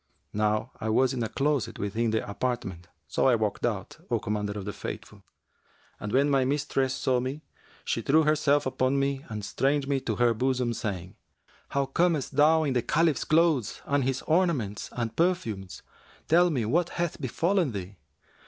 Now I was in a closet within the apartment; so I walked out, O Commander of the Faithful, and when my mistress saw me, she threw herself upon me and strained me to her bosom saying, 'How camest thou in the Caliph's clothes and his ornaments and perfumes? Tell me what hath befallen thee.'